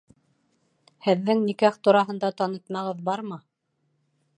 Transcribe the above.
Һеҙҙең никах тураһында танытмағыҙ бармы?